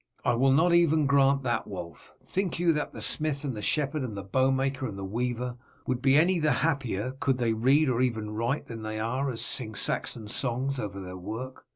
"I will not even grant that, Wulf. Think you that the smith and the shepherd, the bowmaker and the weaver, would be any the happier could they read or even write than they are as they sing Saxon songs over their work?